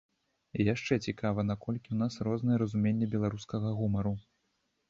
Яшчэ цікава, наколькі ў нас рознае разуменне беларускага гумару.